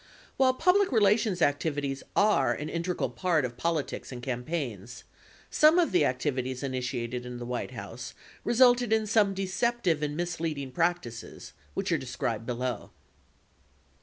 While public relations activities are an integral part of politics and campaigns, some of the activities initiated in the White House resulted in some deceptive and misleading practices which are described below.